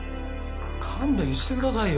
勘弁してくださいよ。